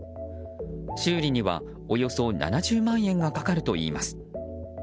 修理には、およそ７０万円がかかるといいます。